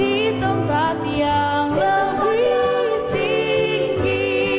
ke tempat yang lebih tinggi